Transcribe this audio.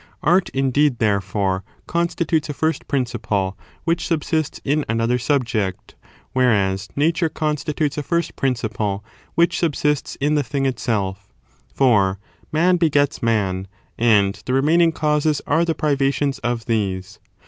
^ Art, indeed, therefore, con stitutes a first principle which subsists in another subject, whereas Nature constitutes a first principle which subsists in the thing itself; for man begets man : and the remaining causes are the priyations of these.